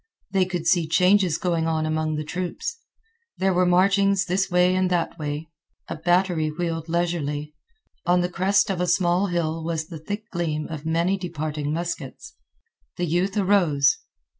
They could see changes going on among the troops. There were marchings this way and that way. A battery wheeled leisurely. On the crest of a small hill was the thick gleam of many departing muskets. The youth arose.